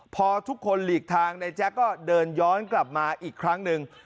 พอทุกคนหลีกทางในแจ๊กก็เดินย้อนกลับมาอีกครั้งหนึ่ง